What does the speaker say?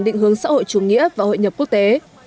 định hướng xã hội chủ nghĩa và hội nhập quốc tế